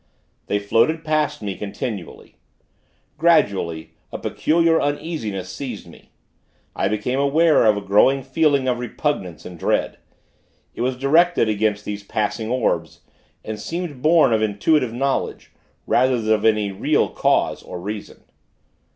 They floated past me, continually. Gradually, a peculiar uneasiness seized me. I became aware of a growing feeling of repugnance and dread. It was directed against those passing orbs, and seemed born of intuitive knowledge, rather than of any real cause or reason.